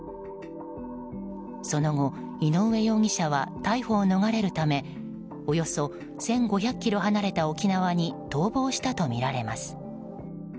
その後、井上容疑者は逮捕を逃れるためおよそ１５００ｋｍ離れた沖縄に逃亡したとみられます。